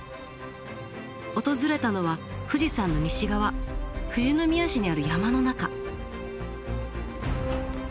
訪れたのは富士山の西側富士宮市にある山の中。